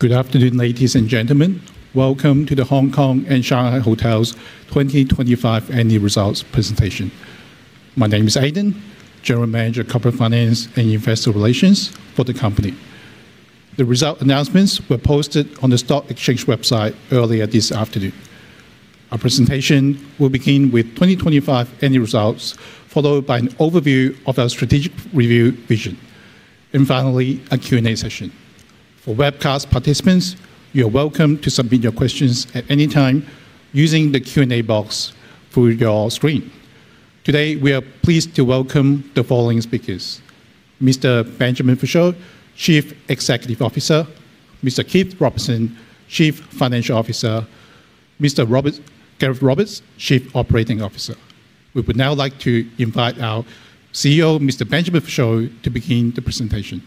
Good afternoon, ladies and gentlemen. Welcome to The Hongkong and Shanghai Hotels 2025 annual results presentation. My name is Aiden, General Manager of Corporate Finance and Investor Relations for the company. The results announcements were posted on the stock exchange website earlier this afternoon. Our presentation will begin with 2025 annual results, followed by an overview of our strategic review vision, and finally, a Q&A session. For webcast participants, you are welcome to submit your questions at any time using the Q&A box through your screen. Today, we are pleased to welcome the following speakers, Mr. Benjamin Vuchot, Chief Executive Officer, Mr. Keith Robertson, Chief Financial Officer, Mr. Gareth Roberts, Chief Operating Officer. We would now like to invite our Chief Executive Officer, Mr. Benjamin Vuchot, to begin the presentation.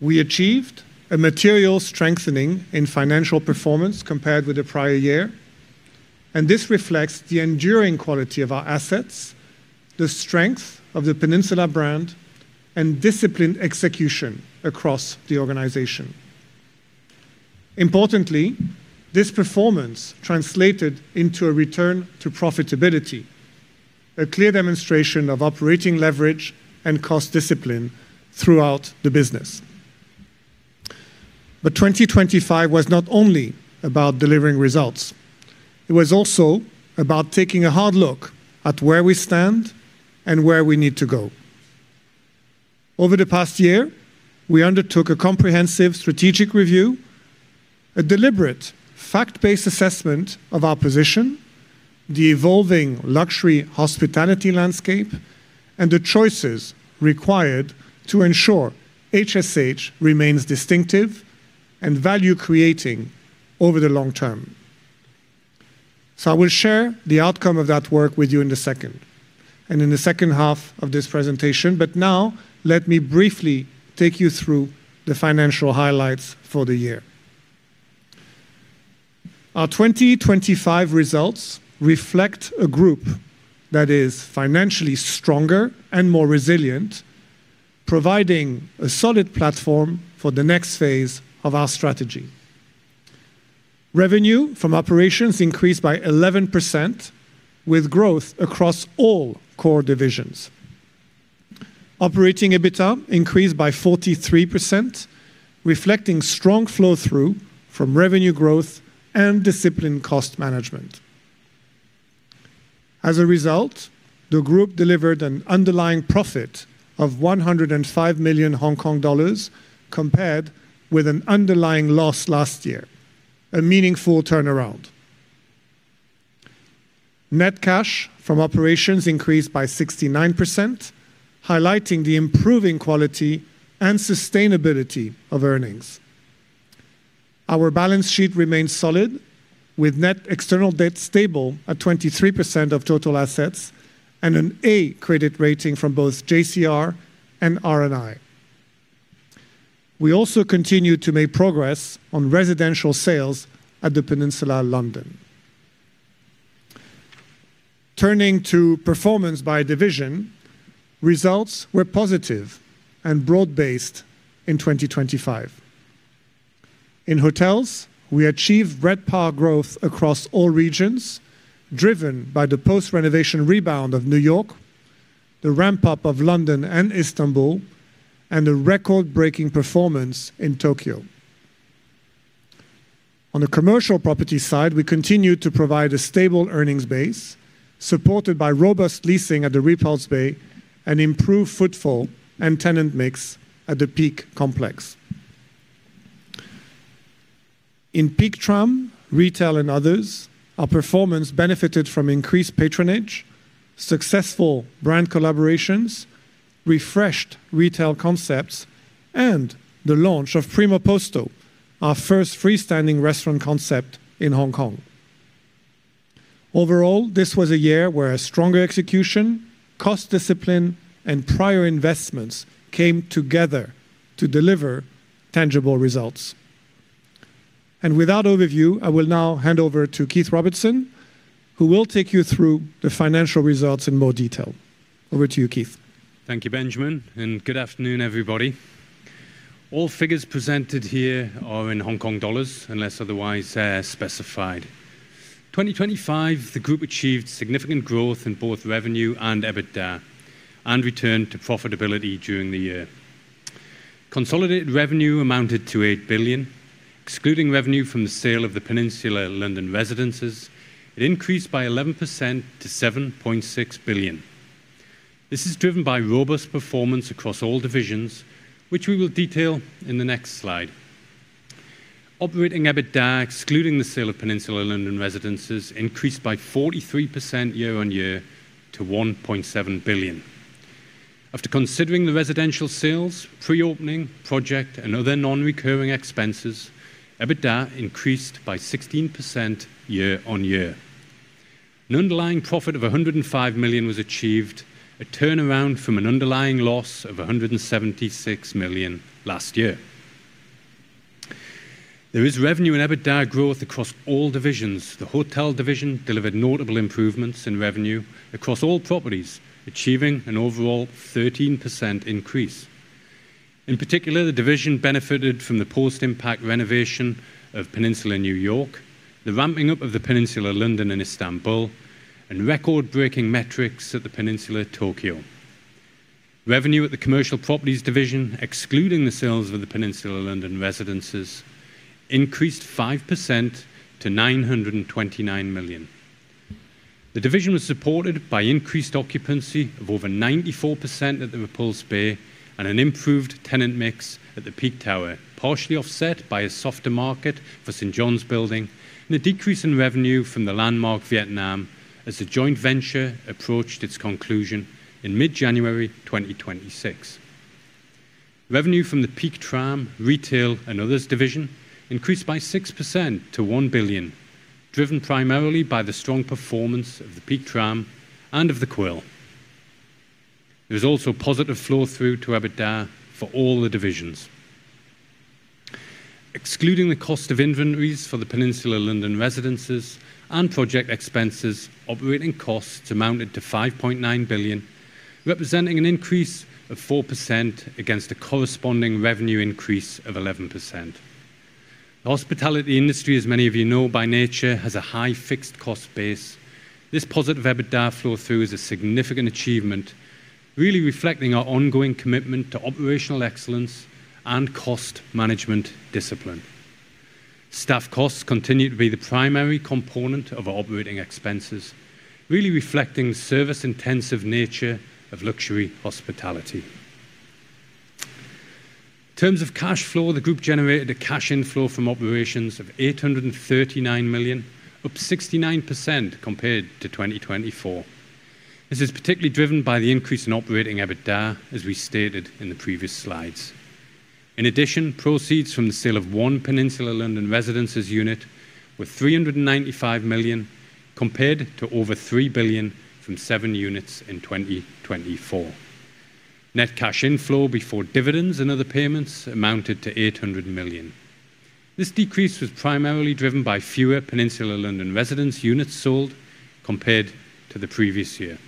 We achieved a material strengthening in financial performance compared with the prior year, and this reflects the enduring quality of our assets, the strength of the Peninsula brand, and disciplined execution across the organization. Importantly, this performance translated into a return to profitability, a clear demonstration of operating leverage and cost discipline throughout the business. 2025 was not only about delivering results, it was also about taking a hard look at where we stand and where we need to go. Over the past year, we undertook a comprehensive strategic review, a deliberate fact-based assessment of our position, the evolving luxury hospitality landscape, and the choices required to ensure HSH remains distinctive and value-creating over the long term. I will share the outcome of that work with you in a second, and in the second half of this presentation. Now, let me briefly take you through the financial highlights for the year. Our 2025 results reflect a group that is financially stronger and more resilient, providing a solid platform for the next phase of our strategy. Revenue from operations increased by 11%, with growth across all core divisions. Operating EBITDA increased by 43%, reflecting strong flow-through from revenue growth and disciplined cost management. As a result the group delivered an underlying profit of 105 million Hong Kong dollars compared with an underlying loss last year, a meaningful turnaround. Net cash from operations increased by 69%, highlighting the improving quality and sustainability of earnings. Our balance sheet remains solid, with net external debt stable at 23% of total assets and an A credit rating from both JCR and R&I. We also continue to make progress on residential sales at The Peninsula London. Turning to performance by division, results were positive and broad-based in 2025. In hotels, we achieved RevPAR growth across all regions, driven by the post-renovation rebound of New York, the ramp-up of London and Istanbul, and a record-breaking performance in Tokyo. On the commercial property side, we continued to provide a stable earnings base, supported by robust leasing at The Repulse Bay and improved footfall and tenant mix at the Peak complex. In Peak Tram, Retail, and Others, our performance benefited from increased patronage, successful brand collaborations, refreshed retail concepts, and the launch of Primo Posto, our first freestanding restaurant concept in Hong Kong. Overall, this was a year where stronger execution, cost discipline, and prior investments came together to deliver tangible results. With that overview, I will now hand over to Keith Robertson, who will take you through the financial results in more detail. Over to you, Keith. Thank you, Benjamin, and good afternoon, everybody. All figures presented here are in Hong Kong dollars, unless otherwise specified. In 2025, the group achieved significant growth in both revenue and EBITDA and returned to profitability during the year. Consolidated revenue amounted to 8 billion, excluding revenue from the sale of the Peninsula London Residences. It increased by 11% to 7.6 billion. This is driven by robust performance across all divisions, which we will detail in the next slide. Operating EBITDA, excluding the sale of the Peninsula London Residences, increased by 43% year-on-year to 1.7 billion. After considering the residential sales, pre-opening project and other non-recurring expenses, EBITDA increased by 16% year-on-year. An underlying profit of 105 million was achieved, a turnaround from an underlying loss of 176 million last year. There is revenue and EBITDA growth across all divisions. The hotel division delivered notable improvements in revenue across all properties, achieving an overall 13% increase. In particular, the division benefited from the post-impact renovation of The Peninsula New York, the ramping up of The Peninsula London and The Peninsula Istanbul, and record-breaking metrics at The Peninsula Tokyo. Revenue at the commercial properties division, excluding the sales of The Peninsula London Residences, increased 5% to 929 million. The division was supported by increased occupancy of over 94% at The Repulse Bay and an improved tenant mix at the Peak Tower, partially offset by a softer market for St. John's Building and a decrease in revenue from The Landmark, Vietnam as the joint venture approached its conclusion in mid-January 2026. Revenue from the Peak Tram, Retail, and Others division increased by 6% to 1 billion, driven primarily by the strong performance of the Peak Tram and of the Quill. There's also positive flow through to EBITDA for all the divisions. Excluding the cost of inventories for the Peninsula London Residences and project expenses, operating costs amounted to 5.9 billion, representing an increase of 4% against a corresponding revenue increase of 11%. The hospitality industry, as many of you know, by nature, has a high fixed cost base. This positive EBITDA flow through is a significant achievement, really reflecting our ongoing commitment to operational excellence and cost management discipline. Staff costs continue to be the primary component of our operating expenses really reflecting the service-intensive nature of luxury hospitality. In terms of cash flow, the group generated a cash inflow from operations of 839 million, up 69% compared to 2024. This is particularly driven by the increase in operating EBITDA, as we stated in the previous slides. In addition, proceeds from the sale of one Peninsula London Residences unit were 395 million, compared to over 3 billion from seven units in 2024. Net cash inflow before dividends and other payments amounted to 800 million. This decrease was primarily driven by fewer Peninsula London Residence units sold compared to the previous year.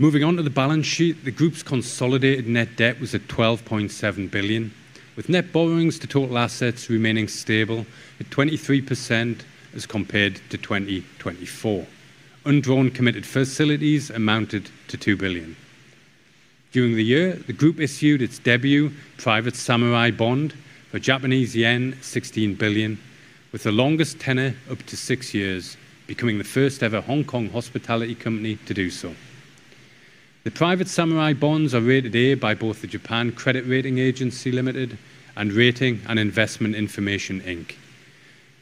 Moving on to the balance sheet, the group's consolidated net debt was at 12.7 billion, with net borrowings to total assets remaining stable at 23% as compared to 2024. Undrawn committed facilities amounted to 2 billion. During the year, the group issued its debut private samurai bond for Japanese yen 16 billion, with the longest tenor up to six years, becoming the first-ever Hong Kong hospitality company to do so. The private samurai bonds are rated A by both the Japan Credit Rating Agency, Ltd. and Rating and Investment Information, Inc.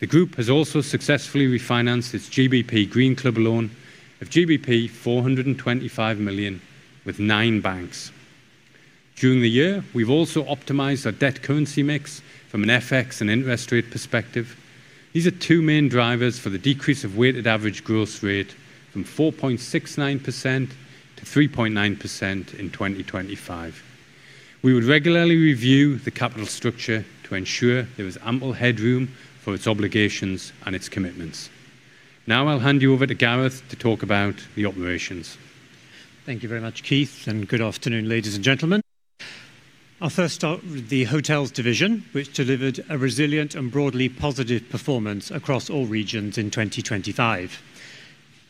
The group has also successfully refinanced its GBP Green Club Loan of GBP 425 million with nine banks. During the year, we've also optimized our debt currency mix from an FX and interest rate perspective. These are two main drivers for the decrease of weighted average gross rate from 4.69% to 3.9% in 2025. We would regularly review the capital structure to ensure there is ample headroom for its obligations and its commitments. Now I'll hand you over to Gareth to talk about the operations. Thank you very much Keith, and good afternoon, ladies and gentlemen. I'll first start with the hotels division, which delivered a resilient and broadly positive performance across all regions in 2025.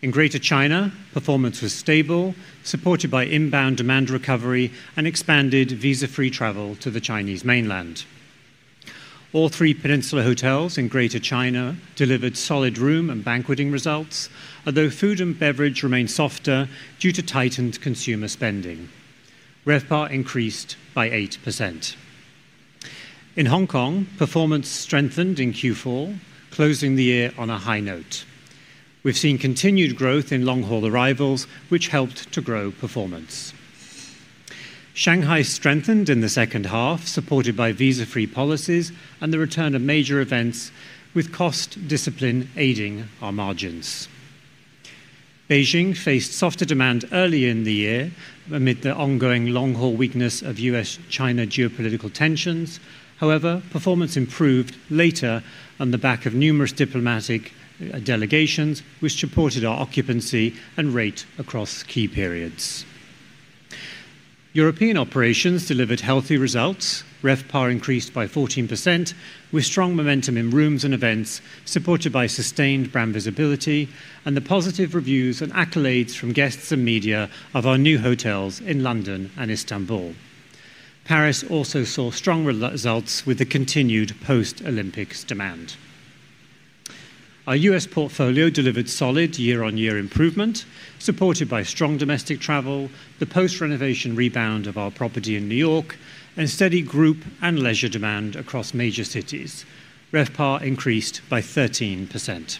In Greater China, performance was stable, supported by inbound demand recovery and expanded visa-free travel to the Chinese mainland. All three Peninsula hotels in Greater China delivered solid room and banqueting results, although food and beverage remained softer due to tightened consumer spending. RevPAR increased by 8%. In Hong Kong, performance strengthened in Q4, closing the year on a high note. We've seen continued growth in long-haul arrivals, which helped to grow performance. Shanghai strengthened in the second half, supported by visa-free policies and the return of major events with cost discipline aiding our margins. Beijing faced softer demand early in the year amid the ongoing long-haul weakness of U.S. China geopolitical tensions. However, performance improved later on the back of numerous diplomatic delegations, which supported our occupancy and rate across key periods. European operations delivered healthy results. RevPAR increased by 14% with strong momentum in rooms and events, supported by sustained brand visibility and the positive reviews and accolades from guests and media of our new hotels in London and Istanbul. Paris also saw strong results with the continued post-Olympics demand. Our U.S. portfolio delivered solid year-on-year improvement, supported by strong domestic travel, the post-renovation rebound of our property in New York, and steady group and leisure demand across major cities. RevPAR increased by 13%.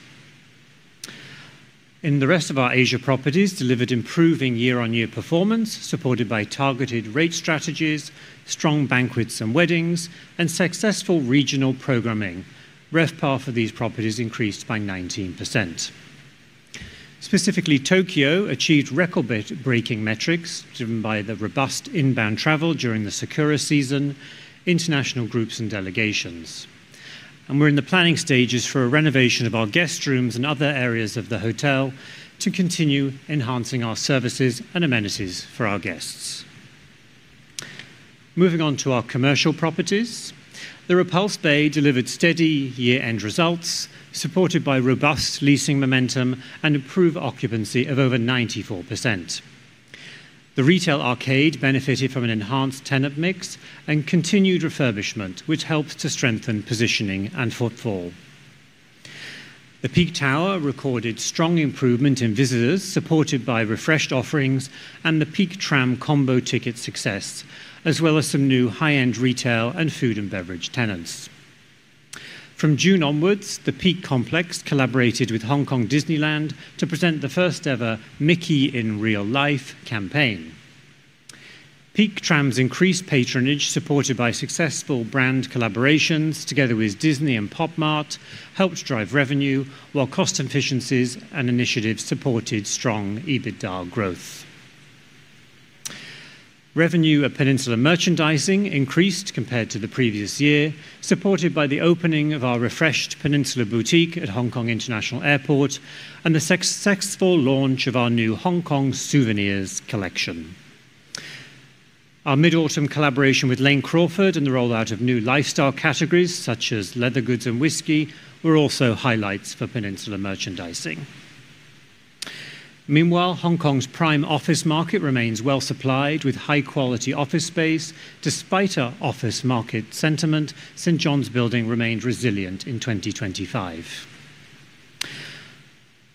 The rest of our Asia properties delivered improving year-on-year performance, supported by targeted rate strategies, strong banquets and weddings, and successful regional programming. RevPAR for these properties increased by 19%. Specifically, Tokyo achieved record-breaking metrics driven by the robust inbound travel during the sakura season, international groups and delegations. We're in the planning stages for a renovation of our guest rooms and other areas of the hotel to continue enhancing our services and amenities for our guests. Moving on to our commercial properties. The Repulse Bay delivered steady year-end results, supported by robust leasing momentum and improved occupancy of over 94%. The Retail Arcade benefited from an enhanced tenant mix and continued refurbishment, which helped to strengthen positioning and footfall. The Peak Tower recorded strong improvement in visitors, supported by refreshed offerings and the Peak Tram combo ticket success, as well as some new high-end retail and food and beverage tenants. From June onwards, the Peak complex collaborated with Hong Kong Disneyland to present the first ever Mickey in Real Life campaign. Peak Tram's increased patronage, supported by successful brand collaborations together with Disney and Pop Mart, helped drive revenue, while cost efficiencies and initiatives supported strong EBITDA growth. Revenue at Peninsula Merchandising increased compared to the previous year, supported by the opening of our refreshed Peninsula boutique at Hong Kong International Airport and the successful launch of our new Hong Kong souvenirs collection. Our mid-autumn collaboration with Lane Crawford and the rollout of new lifestyle categories such as leather goods and whiskey were also highlights for Peninsula Merchandising. Meanwhile, Hong Kong's prime office market remains well supplied with high-quality office space. Despite our office market sentiment, St. John's Building remained resilient in 2025.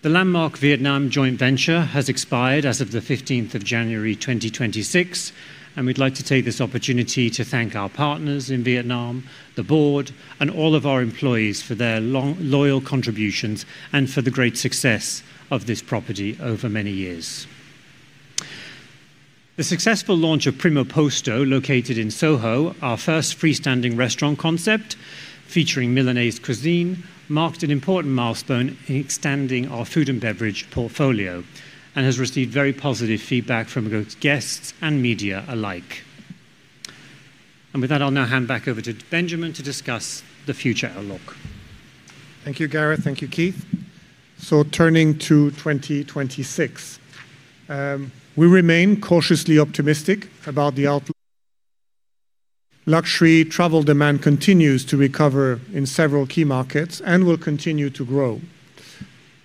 The Landmark Vietnam joint venture has expired as of the 15th of January 2026, and we'd like to take this opportunity to thank our partners in Vietnam, the board, and all of our employees for their loyal contributions and for the great success of this property over many years. The successful launch of Primo Posto, located in Soho, our first freestanding restaurant concept featuring Milanese cuisine, marked an important milestone in extending our food and beverage portfolio and has received very positive feedback from both guests and media alike. With that, I'll now hand back over to Benjamin to discuss the future outlook. Thank you, Gareth. Thank you, Keith. Turning to 2026. We remain cautiously optimistic about the outlook. Luxury travel demand continues to recover in several key markets and will continue to grow.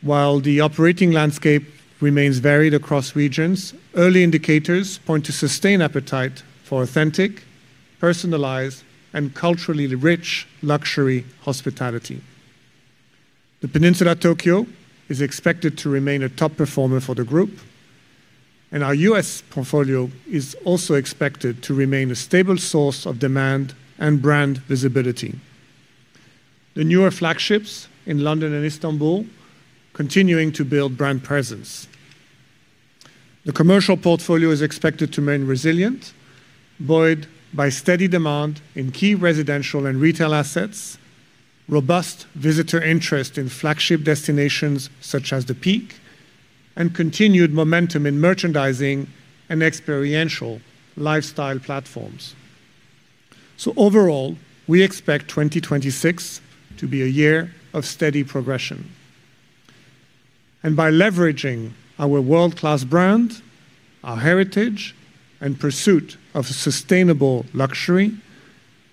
While the operating landscape remains varied across regions, early indicators point to sustained appetite for authentic, personalized, and culturally rich luxury hospitality. The Peninsula Tokyo is expected to remain a top performer for the group, and our U.S. portfolio is also expected to remain a stable source of demand and brand visibility. The newer flagships in London and Istanbul continuing to build brand presence. The commercial portfolio is expected to remain resilient, buoyed by steady demand in key residential and retail assets, robust visitor interest in flagship destinations such as the Peak, and continued momentum in merchandising and experiential lifestyle platforms. Overall, we expect 2026 to be a year of steady progression. By leveraging our world-class brand, our heritage, and pursuit of sustainable luxury,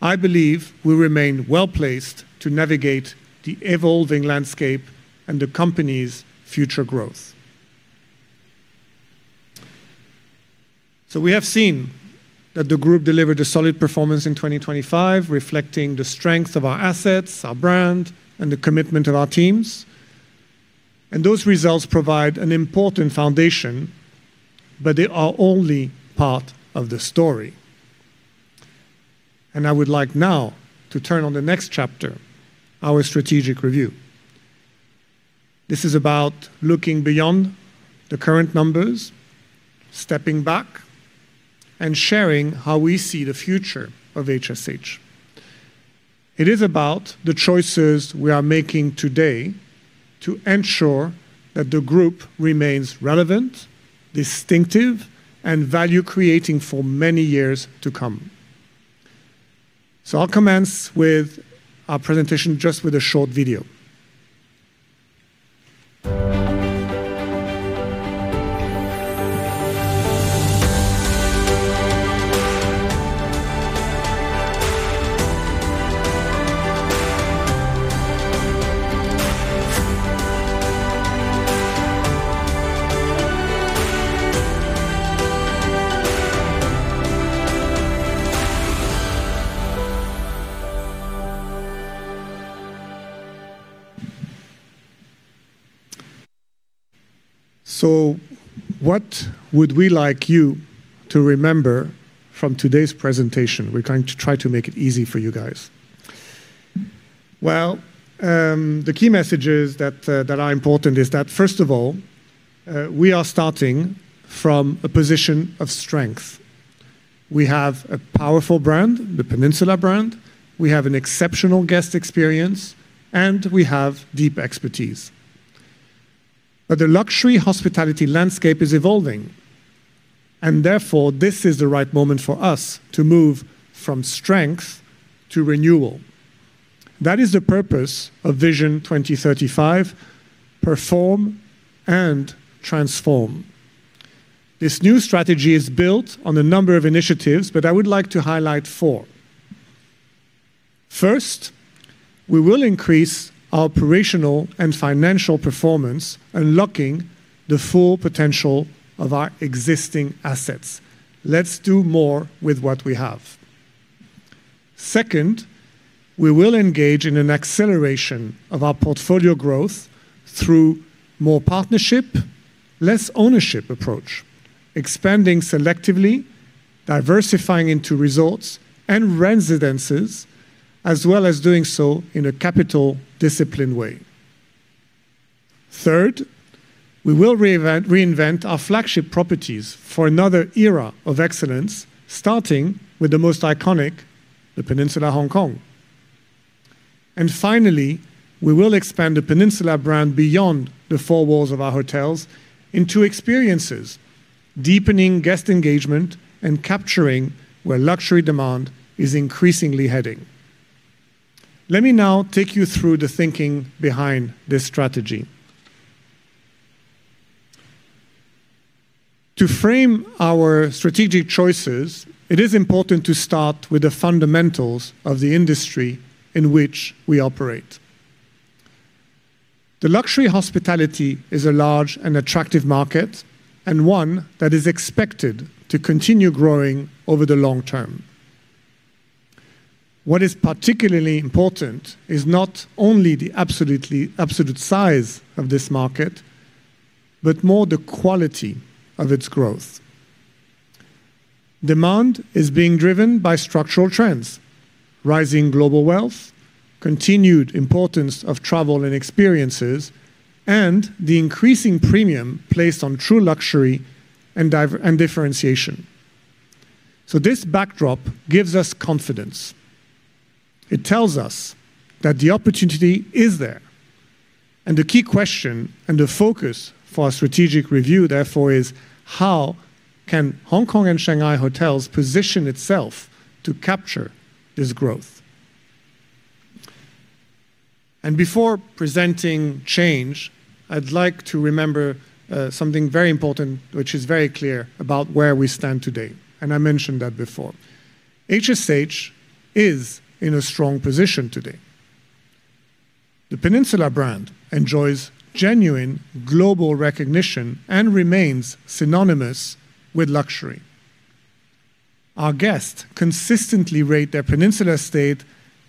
I believe we remain well-placed to navigate the evolving landscape and the company's future growth. We have seen that the group delivered a solid performance in 2025, reflecting the strength of our assets, our brand, and the commitment of our teams, and those results provide an important foundation, but they are only part of the story. I would like now to turn on the next chapter, our strategic review. This is about looking beyond the current numbers, stepping back, and sharing how we see the future of HSH. It is about the choices we are making today to ensure that the group remains relevant, distinctive, and value-creating for many years to come. I'll commence with our presentation just with a short video. What would we like you to remember from today's presentation? We're going to try to make it easy for you guys. The key messages that are important is that, first of all, we are starting from a position of strength. We have a powerful brand, the Peninsula brand, we have an exceptional guest experience, and we have deep expertise. The luxury hospitality landscape is evolving, and therefore this is the right moment for us to move from strength to renewal. That is the purpose of Vision 2035, Perform and Transform. This new strategy is built on a number of initiatives, but I would like to highlight four. First, we will increase our operational and financial performance, unlocking the full potential of our existing assets. Let's do more with what we have. Second, we will engage in an acceleration of our portfolio growth through more partnership, less ownership approach, expanding selectively, diversifying into resorts and residences, as well as doing so in a capital disciplined way. Third, we will reinvent our flagship properties for another era of excellence, starting with the most iconic, The Peninsula Hong Kong. Finally, we will expand The Peninsula brand beyond the four walls of our hotels into experiences, deepening guest engagement and capturing where luxury demand is increasingly heading. Let me now take you through the thinking behind this strategy. To frame our strategic choices, it is important to start with the fundamentals of the industry in which we operate. The luxury hospitality is a large and attractive market and one that is expected to continue growing over the long term. What is particularly important is not only the absolute size of this market, but more the quality of its growth. Demand is being driven by structural trends rising global wealth, continued importance of travel and experiences, and the increasing premium placed on true luxury and differentiation. This backdrop gives us confidence. It tells us that the opportunity is there. The key question and the focus for our strategic review, therefore, is how can The Hongkong and Shanghai Hotels position itself to capture this growth? Before presenting change, I'd like to remind something very important, which is very clear about where we stand today, and I mentioned that before. HSH is in a strong position today. The Peninsula brand enjoys genuine global recognition and remains synonymous with luxury. Our guests consistently rate their Peninsula stay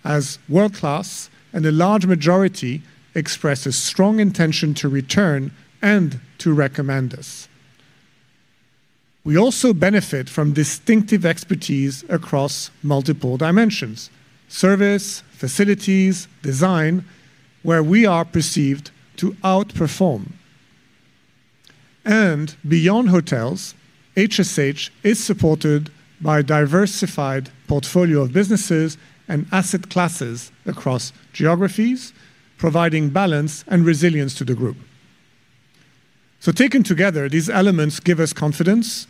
as world-class, and a large majority express a strong intention to return and to recommend us. We also benefit from distinctive expertise across multiple dimensions, service, facilities, design, where we are perceived to outperform. Beyond hotels, HSH is supported by a diversified portfolio of businesses and asset classes across geographies, providing balance and resilience to the group. Taken together, these elements give us confidence.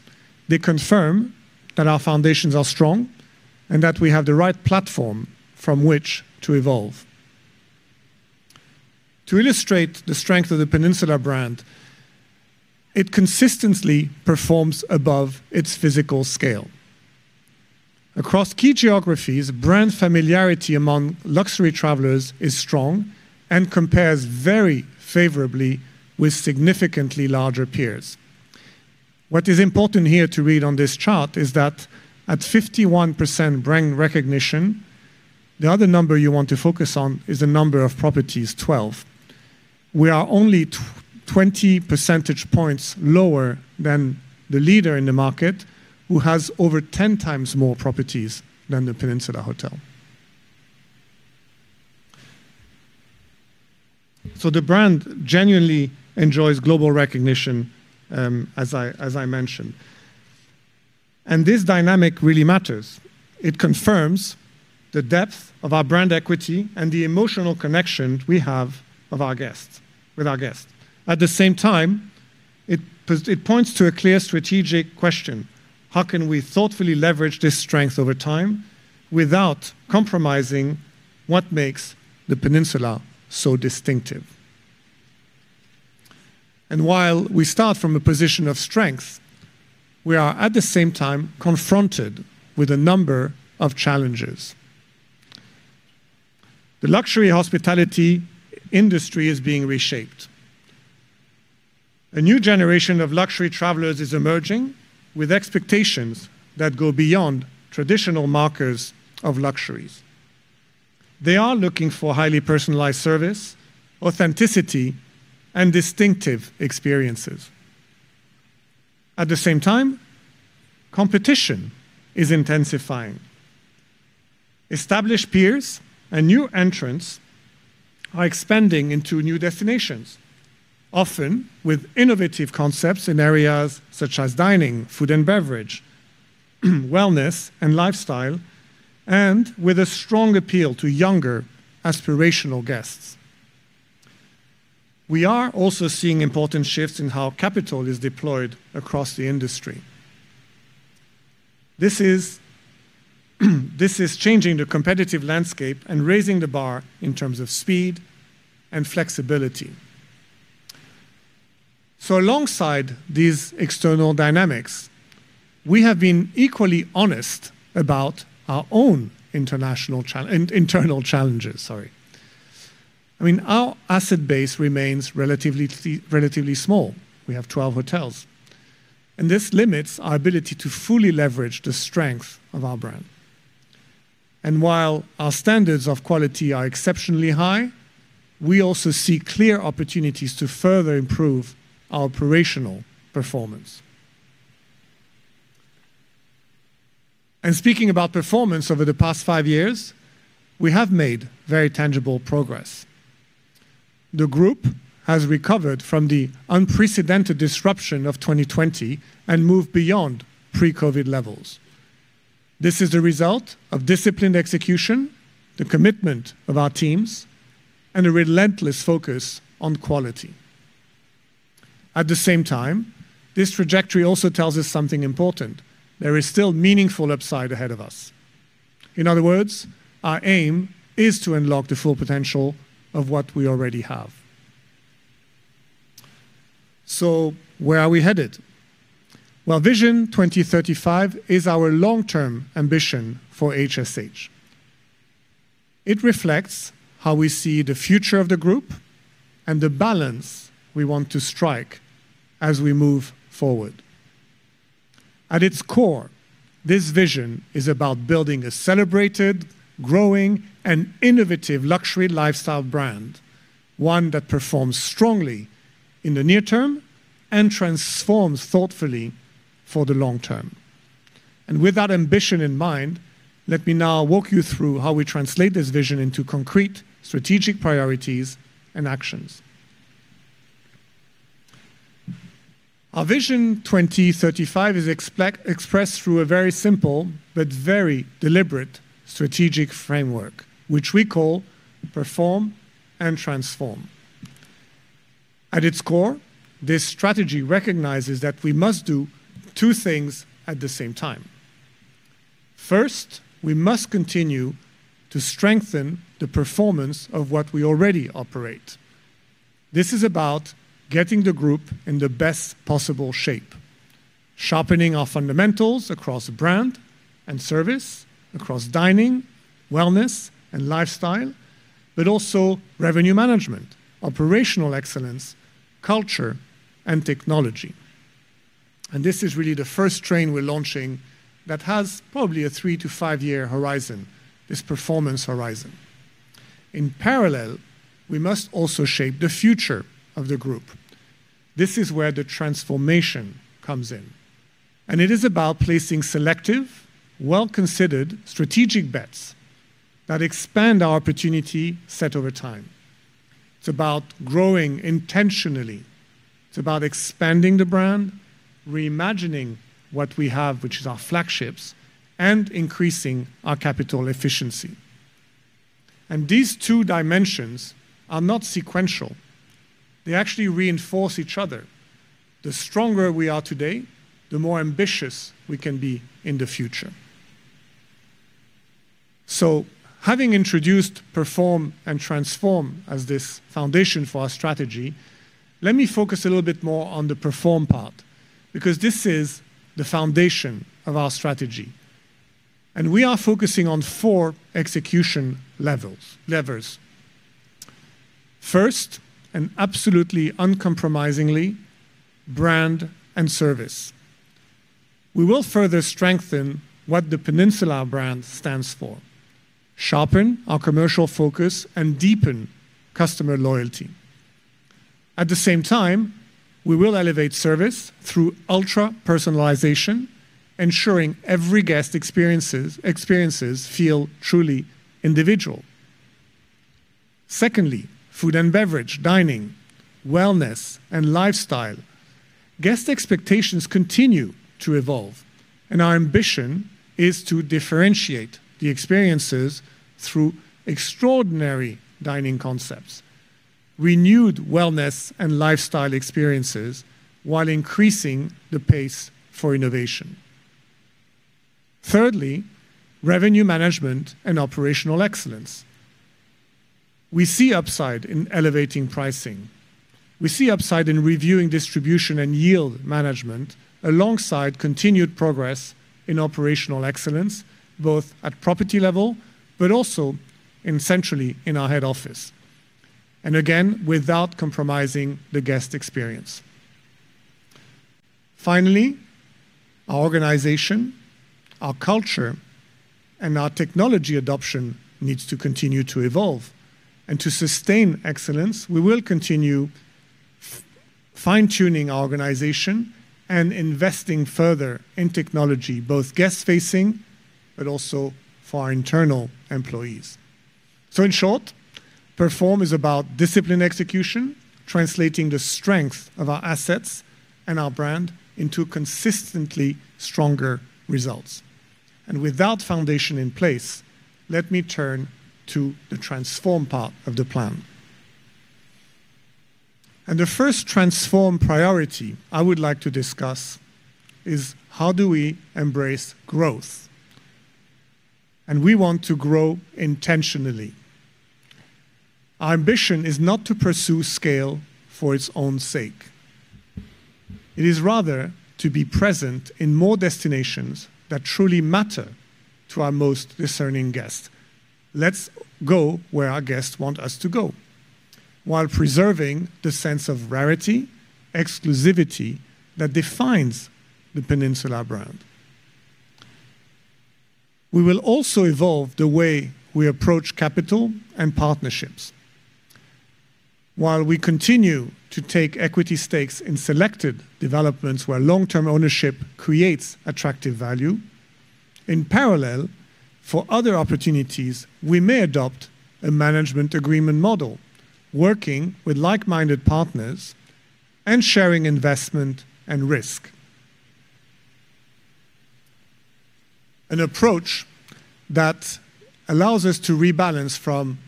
They confirm that our foundations are strong and that we have the right platform from which to evolve. To illustrate the strength of The Peninsula brand, it consistently performs above its physical scale. Across key geographies, brand familiarity among luxury travelers is strong and compares very favorably with significantly larger peers. What is important here to read on this chart is that at 51% brand recognition, the other number you want to focus on is the number of properties 12. We are only 20 percentage points lower than the leader in the market, who has over 10x more properties than The Peninsula. The brand genuinely enjoys global recognition, as I mentioned. This dynamic really matters. It confirms the depth of our brand equity and the emotional connection we have with our guests. At the same time, it points to a clear strategic question. How can we thoughtfully leverage this strength over time without compromising what makes The Peninsula so distinctive? While we start from a position of strength, we are at the same time confronted with a number of challenges. The luxury hospitality industry is being reshaped. A new generation of luxury travelers is emerging with expectations that go beyond traditional markers of luxuries. They are looking for highly personalized service, authenticity, and distinctive experiences. At the same time, competition is intensifying. Established peers and new entrants are expanding into new destinations, often with innovative concepts in areas such as dining, food and beverage, wellness, and lifestyle, and with a strong appeal to younger, aspirational guests. We are also seeing important shifts in how capital is deployed across the industry. This is changing the competitive landscape and raising the bar in terms of speed and flexibility. Alongside these external dynamics, we have been equally honest about our own internal challenges, sorry. I mean, our asset base remains relatively small. We have 12 hotels. This limits our ability to fully leverage the strength of our brand. While our standards of quality are exceptionally high, we also see clear opportunities to further improve our operational performance. Speaking about performance over the past five years, we have made very tangible progress. The group has recovered from the unprecedented disruption of 2020 and moved beyond pre-COVID levels. This is a result of disciplined execution, the commitment of our teams, and a relentless focus on quality. At the same time, this trajectory also tells us something important. There is still meaningful upside ahead of us. In other words, our aim is to unlock the full potential of what we already have. Where are we headed? Well, Vision 2035 is our long-term ambition for HSH. It reflects how we see the future of the group and the balance we want to strike as we move forward. At its core, this vision is about building a celebrated, growing, and innovative luxury lifestyle brand, one that performs strongly in the near term and transforms thoughtfully for the long term. With that ambition in mind, let me now walk you through how we translate this vision into concrete strategic priorities and actions. Our Vision 2035 is expressed through a very simple but very deliberate strategic framework, which we call Perform and Transform. At its core, this strategy recognizes that we must do two things at the same time. First, we must continue to strengthen the performance of what we already operate. This is about getting the group in the best possible shape, sharpening our fundamentals across brand and service, across dining, wellness, and lifestyle, but also revenue management, operational excellence, culture, and technology. This is really the first train we're launching that has probably a three to five year horizon, this performance horizon. In parallel, we must also shape the future of the group. This is where the transformation comes in, and it is about placing selective, well-considered strategic bets that expand our opportunity set over time. It's about growing intentionally. It's about expanding the brand, reimagining what we have, which is our flagships, and increasing our capital efficiency. These two dimensions are not sequential. They actually reinforce each other. The stronger we are today, the more ambitious we can be in the future. Having introduced Perform and Transform as this foundation for our strategy, let me focus a little bit more on the Perform part, because this is the foundation of our strategy. We are focusing on four execution levers. First, and absolutely uncompromisingly, brand and service. We will further strengthen what the Peninsula brand stands for, sharpen our commercial focus, and deepen customer loyalty. At the same time, we will elevate service through ultra-personalization, ensuring every guest experience feels truly individual. Secondly, food and beverage, dining, wellness, and lifestyle. Guest expectations continue to evolve, and our ambition is to differentiate the experiences through extraordinary dining concepts, renewed wellness and lifestyle experiences, while increasing the pace for innovation. Thirdly, revenue management and operational excellence. We see upside in reviewing distribution and yield management alongside continued progress in operational excellence, both at property level but also centrally in our head office, and again, without compromising the guest experience. Finally, our organization, our culture, and our technology adoption needs to continue to evolve. To sustain excellence, we will continue fine-tuning our organization and investing further in technology, both guest-facing but also for our internal employees. In short, Perform is about disciplined execution, translating the strength of our assets and our brand into consistently stronger results. With that foundation in place, let me turn to the Transform part of the plan. The first Transform priority I would like to discuss is how do we embrace growth? We want to grow intentionally. Our ambition is not to pursue scale for its own sake. It is rather to be present in more destinations that truly matter to our most discerning guests. Let's go where our guests want us to go while preserving the sense of rarity, exclusivity that defines the Peninsula brand. We will also evolve the way we approach capital and partnerships. While we continue to take equity stakes in selected developments where long-term ownership creates attractive value, in parallel, for other opportunities we may adopt a management agreement model, working with like-minded partners and sharing investment and risk. An approach that allows us to rebalance from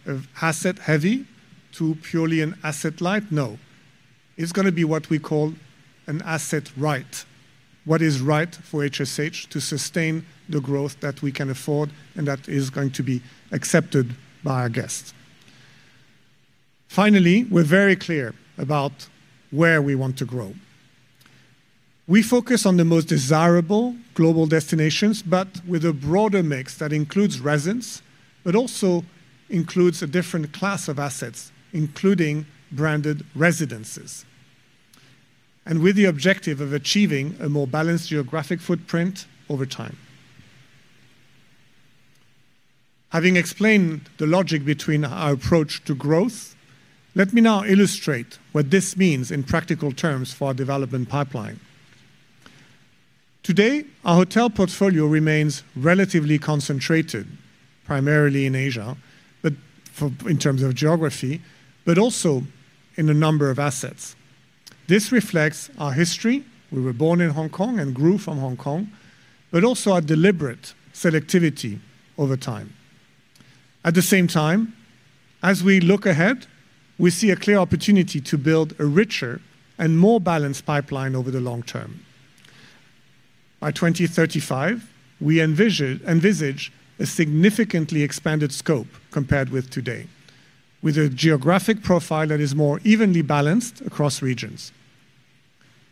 asset-heavy to purely asset-light. No. It's gonna be what we call an Asset-Right. What is right for HSH to sustain the growth that we can afford and that is going to be accepted by our guests. Finally, we're very clear about where we want to grow. We focus on the most desirable global destinations, but with a broader mix that includes residence, but also includes a different class of assets, including branded residences, and with the objective of achieving a more balanced geographic footprint over time. Having explained the logic between our approach to growth, let me now illustrate what this means in practical terms for our development pipeline. Today, our hotel portfolio remains relatively concentrated primarily in Asia, but in terms of geography, but also in the number of assets. This reflects our history, we were born in Hong Kong and grew from Hong Kong, but also our deliberate selectivity over time. At the same time, as we look ahead, we see a clear opportunity to build a richer and more balanced pipeline over the long term. By 2035, we envisage a significantly expanded scope compared with today, with a geographic profile that is more evenly balanced across regions.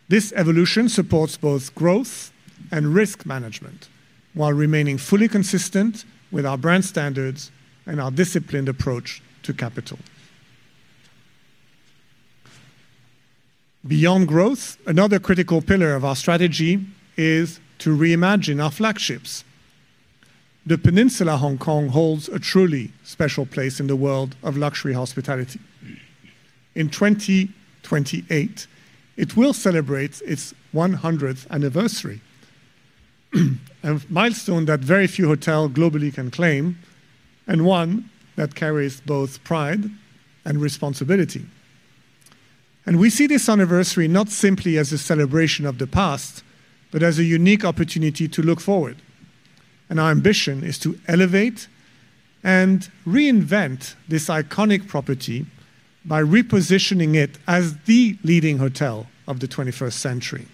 This evolution supports both growth and risk management while remaining fully consistent with our brand standards and our disciplined approach to capital. Beyond growth, another critical pillar of our strategy is to reimagine our flagships. The Peninsula Hong Kong holds a truly special place in the world of luxury hospitality. In 2028, it will celebrate its 100th anniversary, a milestone that very few hotels globally can claim and one that carries both pride and responsibility. We see this anniversary not simply as a celebration of the past, but as a unique opportunity to look forward. Our ambition is to elevate and reinvent this iconic property by repositioning it as the leading hotel of the 21st century.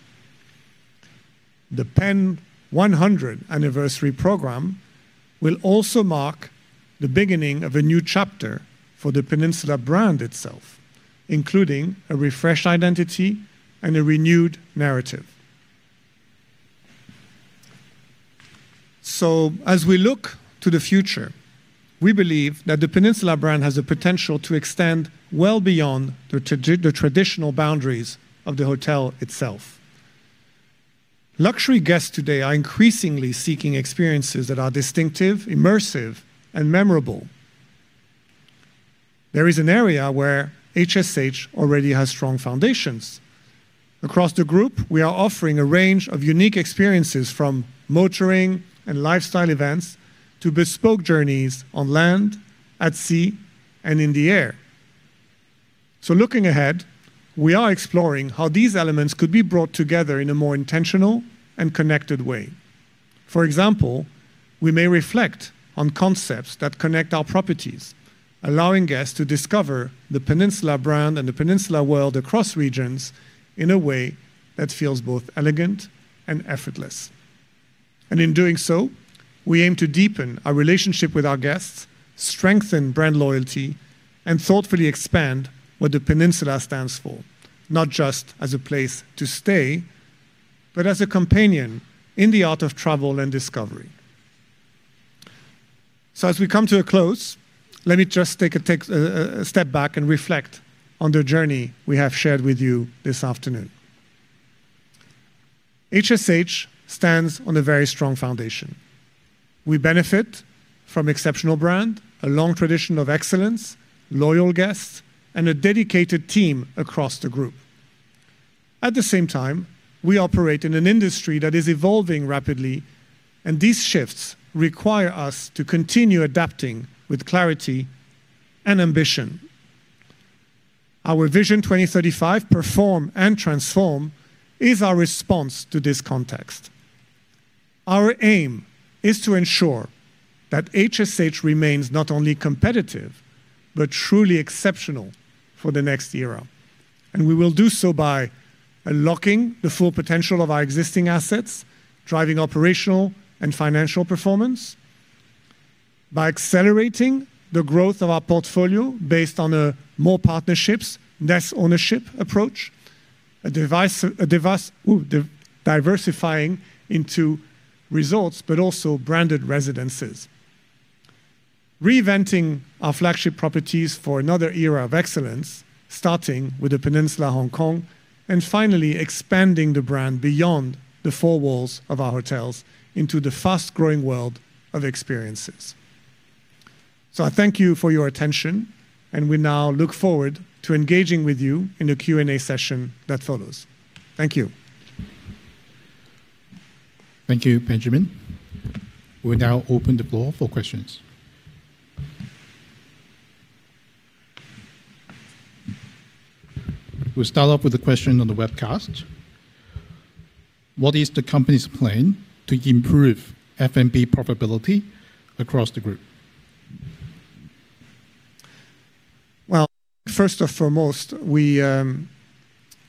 The Peninsula Hong Kong 100th Anniversary program will also mark the beginning of a new chapter for the Peninsula brand itself, including a refreshed identity and a renewed narrative. As we look to the future, we believe that the Peninsula brand has the potential to extend well beyond the traditional boundaries of the hotel itself. Luxury guests today are increasingly seeking experiences that are distinctive, immersive, and memorable. There is an area where HSH already has strong foundations. Across the group, we are offering a range of unique experiences from motoring and lifestyle events to bespoke journeys on land, at sea, and in the air. Looking ahead, we are exploring how these elements could be brought together in a more intentional and connected way. For example, we may reflect on concepts that connect our properties, allowing guests to discover the Peninsula brand and the Peninsula world across regions in a way that feels both elegant and effortless. In doing so, we aim to deepen our relationship with our guests, strengthen brand loyalty, and thoughtfully expand what the Peninsula stands for, not just as a place to stay, but as a companion in the art of travel and discovery. As we come to a close, let me just take a step back and reflect on the journey we have shared with you this afternoon. HSH stands on a very strong foundation. We benefit from exceptional brand, a long tradition of excellence loyal guests, and a dedicated team across the group. At the same time, we operate in an industry that is evolving rapidly, and these shifts require us to continue adapting with clarity and ambition. Our Vision 2035 Perform and Transform is our response to this context. Our aim is to ensure that HSH remains not only competitive but truly exceptional for the next era, and we will do so by unlocking the full potential of our existing assets, driving operational and financial performance, by accelerating the growth of our portfolio based on a more partnerships, less ownership approach, diversifying into resorts but also branded residences. Reinventing our flagship properties for another era of excellence, starting with The Peninsula Hong Kong, and finally expanding the brand beyond the four walls of our hotels into the fast-growing world of experiences. I thank you for your attention, and we now look forward to engaging with you in the Q&A session that follows. Thank you. Thank you, Benjamin. We now open the floor for questions. We'll start off with a question on the webcast. What is the company's plan to improve F&B profitability across the group? Well, first and foremost, we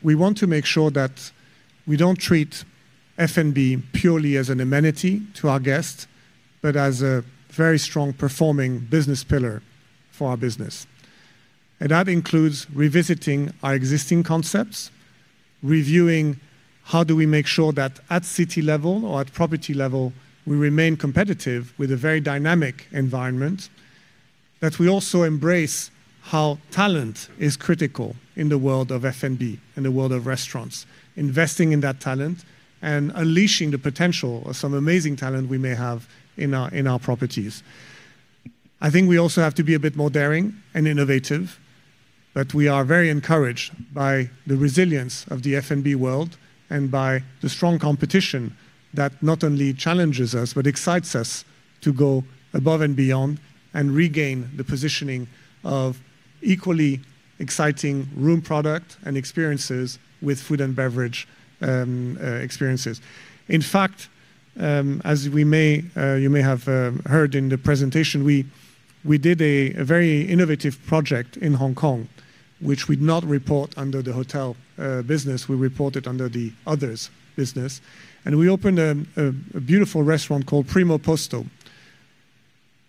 want to make sure that we don't treat F&B purely as an amenity to our guests, but as a very strong performing business pillar for our business. That includes revisiting our existing concepts, reviewing how do we make sure that at city level or at property level, we remain competitive with a very dynamic environment, that we also embrace how talent is critical in the world of F&B, in the world of restaurants, investing in that talent and unleashing the potential of some amazing talent we may have in our properties. I think we also have to be a bit more daring and innovative, but we are very encouraged by the resilience of the F&B world and by the strong competition that not only challenges us but excites us to go above and beyond and regain the positioning of equally exciting room product and experiences with food and beverage experiences. In fact as you may have heard in the presentation, we did a very innovative project in Hong Kong, which we'd not report under the hotel business. We report it under the other business, and we opened a beautiful restaurant called Primo Posto.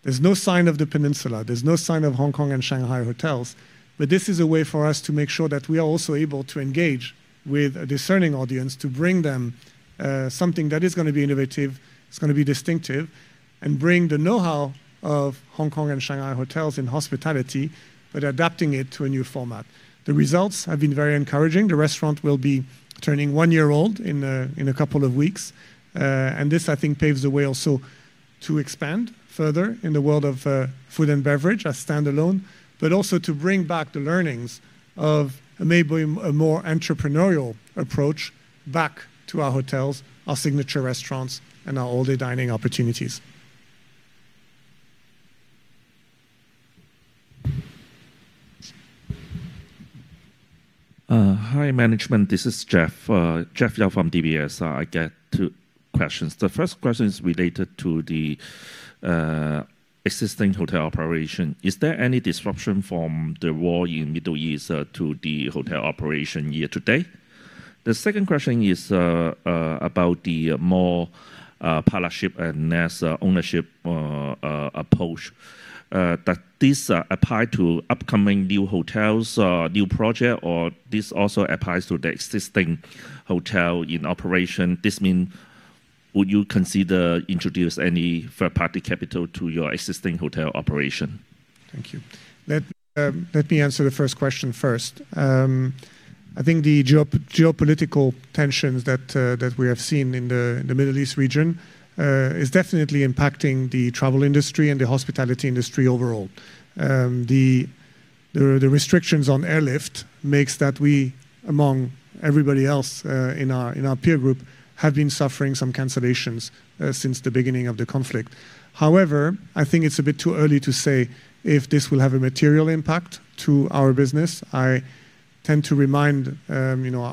There's no sign of The Peninsula, there's no sign of The Hongkong and Shanghai Hotels, but this is a way for us to make sure that we are also able to engage with a discerning audience to bring them something that is gonna be innovative, it's gonna be distinctive, and bring the know-how of The Hongkong and Shanghai Hotels in hospitality, but adapting it to a new format. The results have been very encouraging. The restaurant will be turning one year old in a couple of weeks, and this, I think, paves the way also to expand further in the world of food and beverage as standalone, but also to bring back the learnings of enabling a more entrepreneurial approach back to our hotels, our signature restaurants, and our all-day dining opportunities. Hi, management. This is Jeff Yau from DBS. I get two questions. The first question is related to the existing hotel operation. Is there any disruption from the war in Middle East to the hotel operation year to date? The second question is about the more partnership and less ownership approach. That this apply to upcoming new hotels, new project, or this also applies to the existing hotel in operation? This mean would you consider introduce any third-party capital to your existing hotel operation? Thank you. Let me answer the first question first. I think the geopolitical tensions that we have seen in the Middle East region is definitely impacting the travel industry and the hospitality industry overall. The restrictions on airlift makes that we, among everybody else, in our peer group, have been suffering some cancellations since the beginning of the conflict. However, I think it's a bit too early to say if this will have a material impact to our business. I tend to remind you know,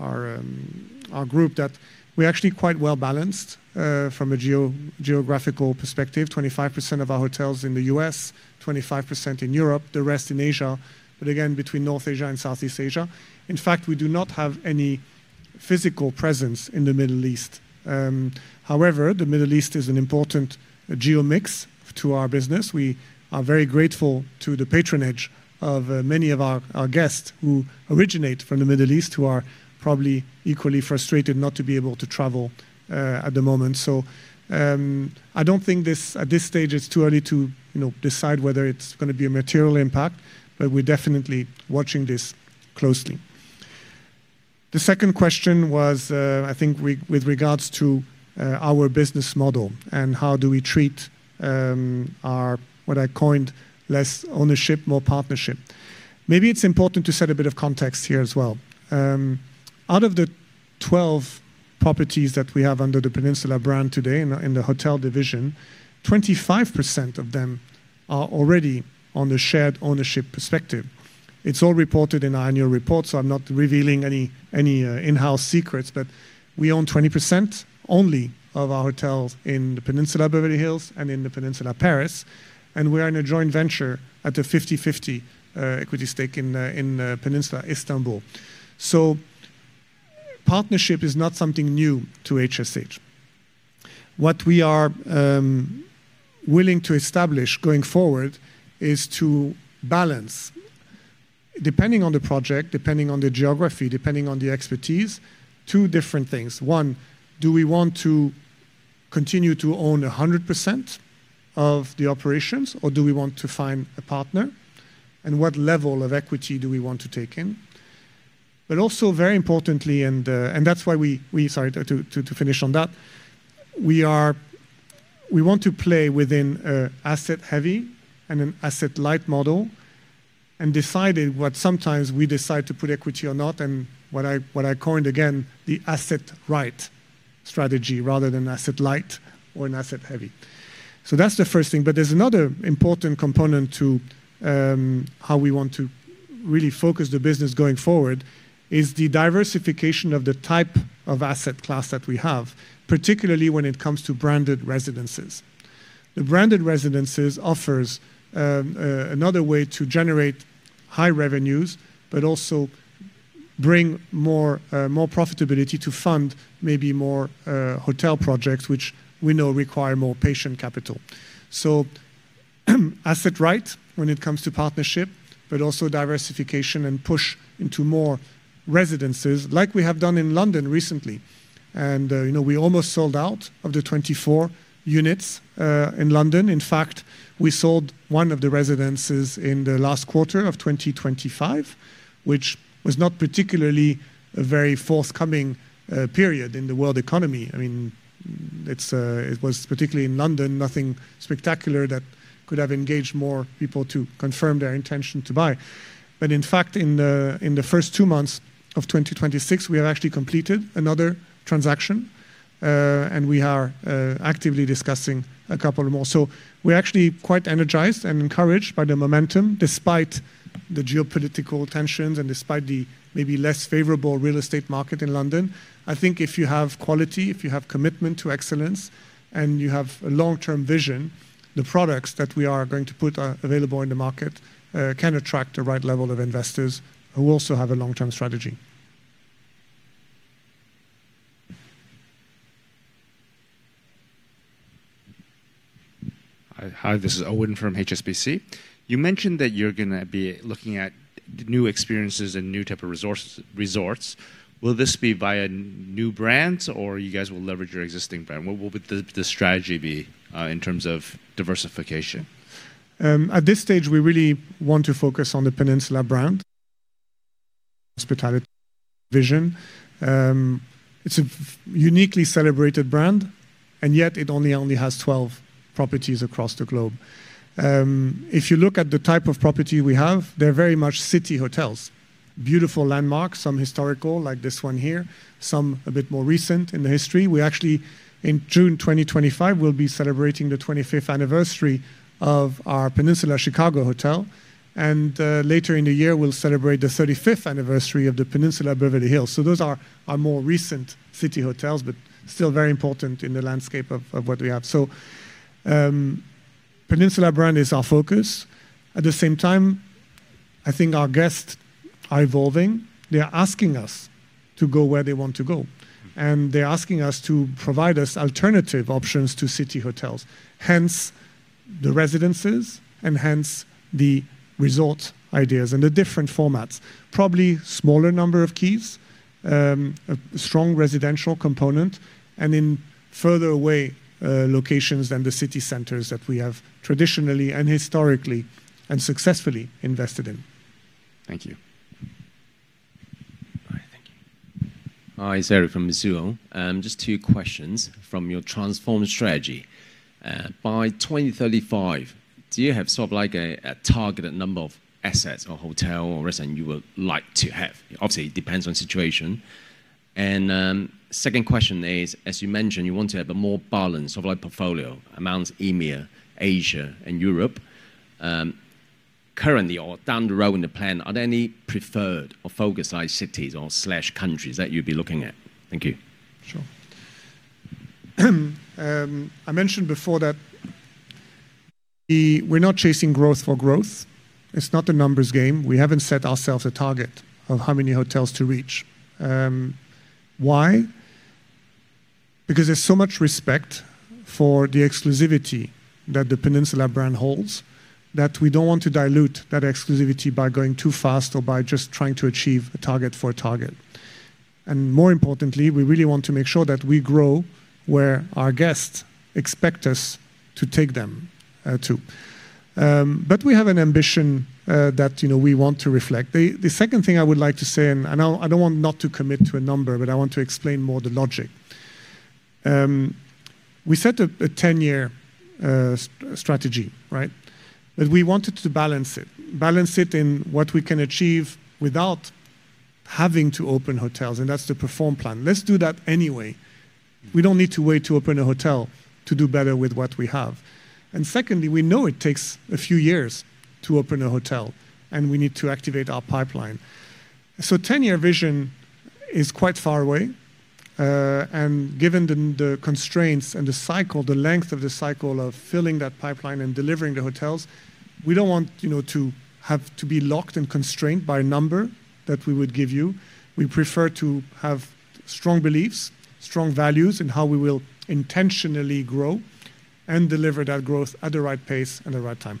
our group that we're actually quite well-balanced from a geographical perspective, 25% of our hotels in the U.S., 25% in Europe, the rest in Asia, but again, between North Asia and Southeast Asia. In fact, we do not have any physical presence in the Middle East. However, the Middle East is an important geographic mix to our business. We are very grateful to the patronage of many of our guests who originate from the Middle East, who are probably equally frustrated not to be able to travel at the moment. I don't think at this stage it's too early to, you know decide whether it's gonna be a material impact, but we're definitely watching this closely. The second question was, I think with regards to our business model and how do we treat our what I coined less ownership, more partnership. Maybe it's important to set a bit of context here as well. Out of the 12 properties that we have under the Peninsula brand today in the hotel division, 25% of them are already on the shared ownership perspective. It's all reported in our annual report, so I'm not revealing any in-house secrets. We own 20% only of our hotels in The Peninsula Beverly Hills and in The Peninsula Paris, and we are in a joint venture at a 50/50 equity stake in The Peninsula Istanbul. Partnership is not something new to HSH. What we are willing to establish going forward is to balance, depending on the project, depending on the geography, depending on the expertise, two different things. One, do we want to continue to own 100% of the operations, or do we want to find a partner? What level of equity do we want to take in? But also very importantly, that's why we. Sorry, to finish on that. We want to play within an asset-heavy and an asset-light model and decide what sometimes we decide to put equity or not, and what I coined again, the Asset-Right strategy rather than asset-light or an asset-heavy. That's the first thing. There's another important component to how we want to really focus the business going forward, is the diversification of the type of asset class that we have, particularly when it comes to branded residences. The branded residences offers another way to generate high revenues but also bring more profitability to fund maybe more hotel projects, which we know require more patient capital. Asset-Right when it comes to partnership, but also diversification and push into more residences like we have done in London recently. You know, we almost sold out of the 24 units in London. In fact, we sold one of the residences in the last quarter of 2025, which was not particularly a very forthcoming period in the world economy. I mean, it was particularly in London, nothing spectacular that could have engaged more people to confirm their intention to buy. In fact, in the first two months of 2026, we have actually completed another transaction and we are actively discussing a couple more. We're actually quite energized and encouraged by the momentum, despite the geopolitical tensions and despite the maybe less favorable real estate market in London. I think if you have quality, if you have commitment to excellence, and you have a long-term vision, the products that we are going to put available in the market can attract the right level of investors who also have a long-term strategy. Hi, this is Raymond Liu from HSBC. You mentioned that you're gonna be looking at new experiences and new type of resorts. Will this be via new brands or you guys will leverage your existing brand? What would the strategy be, in terms of diversification? At this stage, we really want to focus on the Peninsula brand hospitality vision. It's a uniquely celebrated brand, and yet it only has 12 properties across the globe. If you look at the type of property we have, they're very much city hotels. Beautiful landmarks, some historical, like this one here, some a bit more recent in the history. We actually, in June 2025, will be celebrating the 25th anniversary of our The Peninsula Chicago hotel. Later in the year, we'll celebrate the 35th anniversary of The Peninsula Beverly Hills. Those are our more recent city hotels, but still very important in the landscape of what we have. The Peninsula brand is our focus. At the same time, I think our guests are evolving. They are asking us to go where they want to go, and they're asking us to provide us alternative options to city hotels. Hence the residences and hence the resort ideas and the different formats. Probably smaller number of keys, a strong residential component, and in further away locations than the city centers that we have traditionally and historically and successfully invested in. Thank you. All right. Thank you. Hi, it's Eric Wong from Mizuho. Just two questions from your transformed strategy. By 2035, do you have sort of like a targeted number of assets or hotel or restaurant you would like to have? Obviously, it depends on situation. Second question is as you mentioned, you want to have a more balanced sort of like portfolio among EMEA, Asia, and Europe. Currently or down the road in the plan, are there any preferred or focus size cities or slash countries that you'd be looking at? Thank you. Sure. I mentioned before that we're not chasing growth for growth. It's not a numbers game. We haven't set ourselves a target of how many hotels to reach. Why? Because there's so much respect for the exclusivity that the Peninsula brand holds, that we don't want to dilute that exclusivity by going too fast or by just trying to achieve a target for a target. More importantly, we really want to make sure that we grow where our guests expect us to take them to. We have an ambition that you know we want to reflect. The second thing I would like to say, and I don't want not to commit to a number, but I want to explain more the logic. We set a 10 year strategy, right? We wanted to balance it. Balance it in what we can achieve without having to open hotels, and that's the perform plan. Let's do that anyway. We don't need to wait to open a hotel to do better with what we have. Secondly, we know it takes a few years to open a hotel, and we need to activate our pipeline. 10 year vision is quite far away. Given the constraints and the cycle, the length of the cycle of filling that pipeline and delivering the hotels, we don't want, you know, to have to be locked and constrained by a number that we would give you. We prefer to have strong beliefs, strong values in how we will intentionally grow and deliver that growth at the right pace and the right time.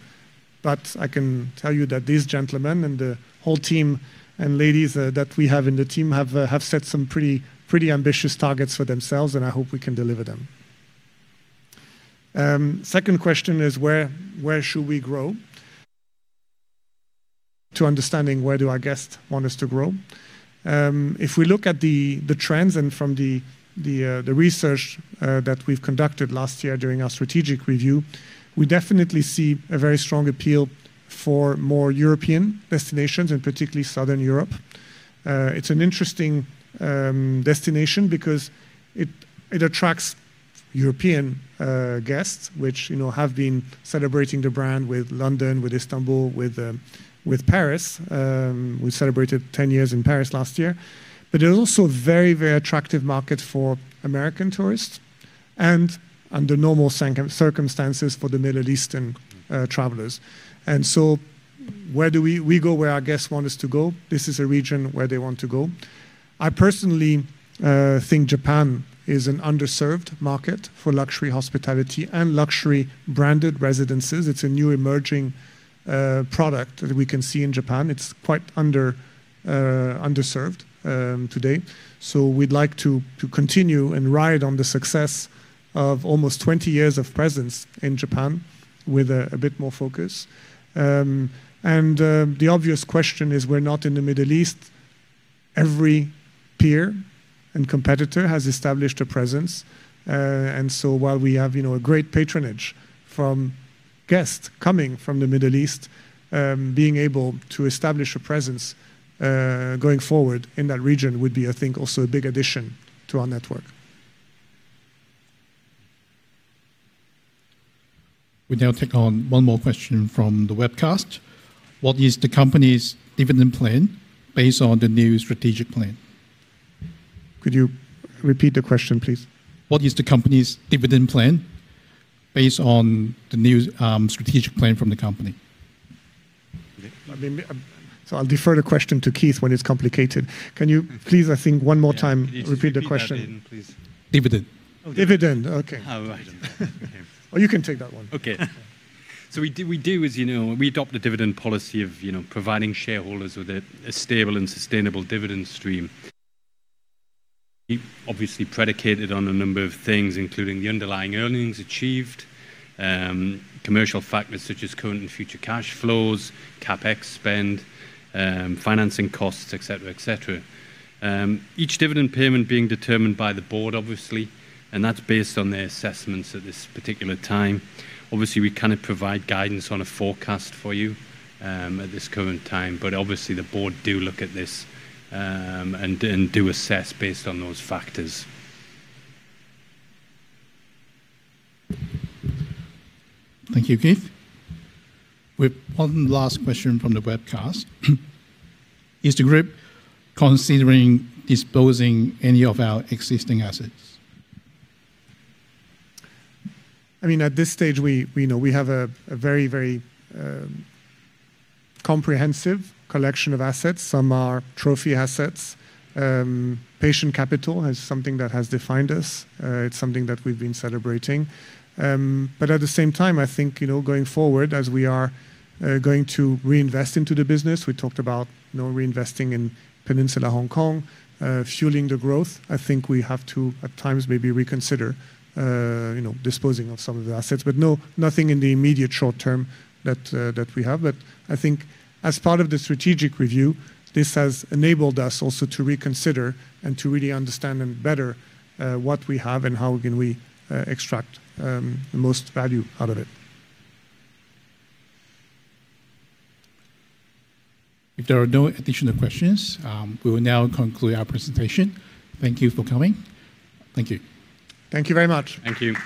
I can tell you that these gentlemen and the whole team and ladies that we have in the team have set some pretty ambitious targets for themselves, and I hope we can deliver them. Second question is where should we grow? To understand where do our guests want us to grow. If we look at the trends and from the research that we've conducted last year during our strategic review, we definitely see a very strong appeal for more European destinations, and particularly Southern Europe. It's an interesting destination because it attracts European guests, which you know have been celebrating the brand with London, with Istanbul, with Paris. We celebrated 10 years in Paris last year. It's also a very, very attractive market for American tourists and, under normal circumstances, for the Middle Eastern travelers. We go where our guests want us to go. This is a region where they want to go. I personally think Japan is an underserved market for luxury hospitality and luxury branded residences. It's a new emerging product that we can see in Japan. It's quite underserved today. We'd like to continue and ride on the success of almost 20 years of presence in Japan with a bit more focus. The obvious question is we're not in the Middle East. Every peer and competitor has established a presence. While we have you know a great patronage from guests coming from the Middle East, being able to establish a presence going forward in that region would be, I think also a big addition to our network. We'll now take on one more question from the webcast. What is the company's dividend plan based on the new strategic plan? Could you repeat the question, please? What is the company's dividend plan based on the new strategic plan from the company? I'll defer the question to Keith when it's complicated. Can you please, I think one more time, repeat the question? Yeah. Can you repeat that again, please? Dividend. Dividend, okay. Oh, right. Oh, you can take that one. Okay. We do as you know, we adopt the dividend policy of, you know providing shareholders with a stable and sustainable dividend stream. Obviously predicated on a number of things, including the underlying earnings achieved, commercial factors such as current and future cash flows, CapEx spend, financing costs, etc., Each dividend payment being determined by the board obviously, and that's based on their assessments at this particular time. Obviously, we cannot provide guidance on a forecast for you, at this current time. Obviously the board do look at this, and do assess based on those factors. Thank you, Keith. We've one last question from the webcast. Is the group considering disposing any of our existing assets? I mean at this stage we know we have a very comprehensive collection of assets. Some are trophy assets. Patient capital is something that has defined us. It's something that we've been celebrating. At the same time, I think you know going forward as we are going to reinvest into the business, we talked about you know reinvesting in The Peninsula Hong Kong, fueling the growth. I think we have to at times maybe reconsider, you know, disposing of some of the assets. No, nothing in the immediate short term that we have. I think as part of the strategic review, this has enabled us also to reconsider and to really understand it better what we have and how can we extract the most value out of it. If there are no additional questions, we will now conclude our presentation. Thank you for coming. Thank you. Thank you very much. Thank you.